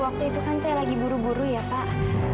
waktu itu kan saya lagi buru buru ya pak